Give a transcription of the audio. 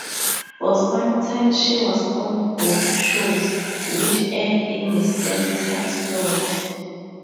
For some time she was on both shows, which aired in the same timeslot.